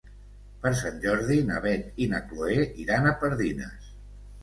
Per Sant Jordi na Beth i na Chloé iran a Pardines.